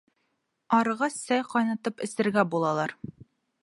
Арығас, сәй ҡайнатып эсергә булалар.